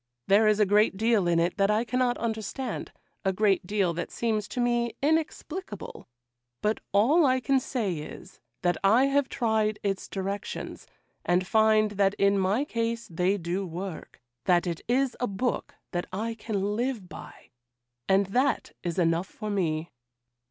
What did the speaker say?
There is a great deal in it that I cannot understand—a great deal that seems to me inexplicable; but all I can say is, that I have tried its directions, and find that in my case they do work; that it is a book that I can live by, and that is enough for me.